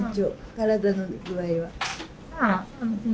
体の具合。